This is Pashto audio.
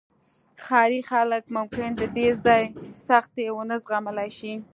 ښاري خلک ممکن د دې ځای سختۍ ونه زغملی شي